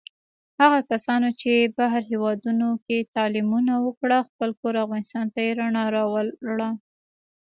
هغو کسانو چې بهر هېوادونوکې تعلیمونه وکړل، خپل کور افغانستان ته یې رڼا راوړله.